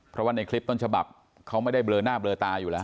เพราะว่าในคลิปต้นฉบับเขาไม่ได้เบลอหน้าเบลอตาอยู่แล้ว